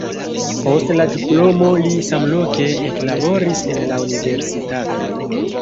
Post la diplomo li samloke eklaboris en la universitato.